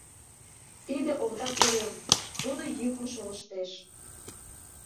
— Тиде Овда корем, тудо йӱкым шолыштеш.